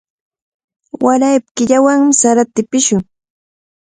Waraypa killawanmi sarata tipishun.